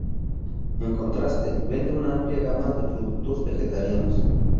En contraste, vende una amplia gama de productos vegetarianos.